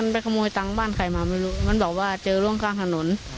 ไปขโมยตังค์บ้านใครมาไม่รู้มันบอกว่าเจอร่องกลางถนน